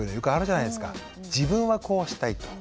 自分はこうしたいと。